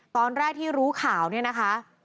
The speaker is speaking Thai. ตอนแรกที่รู้ข่าวเนี่ยนะคะ